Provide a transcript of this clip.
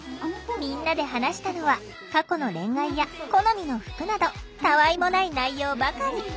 みんなで話したのは過去の恋愛や好みの服などたわいもない内容ばかり。